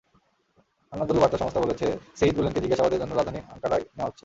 Anadolu বার্তা সংস্থা বলেছে, সেইত গুলেনকে জিজ্ঞাসাবাদের জন্য রাজধানী আঙ্কারায় নেওয়া হচ্ছে।